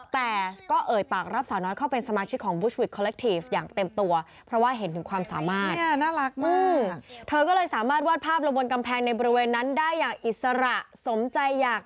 เธอก็เลยสามารถวาดภาพลงบนกำแพงในบริเวณนั้นได้อย่างอิสระสมใจอยาก